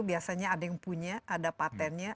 biasanya ada yang punya ada patentnya